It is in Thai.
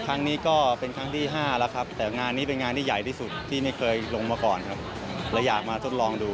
ครั้งนี้ก็เป็นครั้งที่ห้าแล้วครับแต่งานนี้เป็นงานที่ใหญ่ที่สุดที่ไม่เคยลงมาก่อนครับและอยากมาทดลองดู